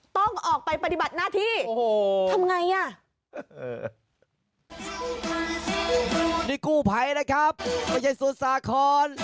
ต้องออกไปปฏิบัติหน้าที่โอ้โห